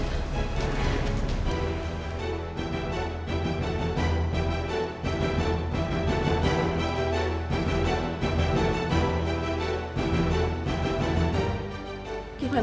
tak ada kelihatan